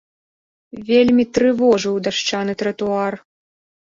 Вельмі трывожыў дашчаны тратуар.